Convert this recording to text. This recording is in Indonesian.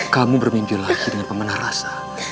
kamu bermimpi lagi dengan pemenah rasa